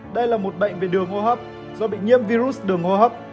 đây là một bệnh về đường hô hấp do bị nhiễm virus đường hô hấp